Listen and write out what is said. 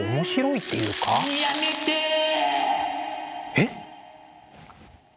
えっ？